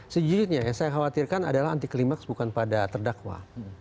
sejujurnya yang saya khawatirkan adalah anti klimaks bukan pada terdakwa